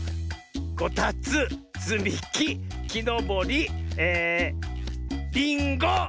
「こたつつみききのぼり」え「りんご」！